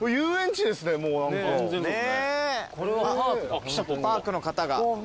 あっパークの方が。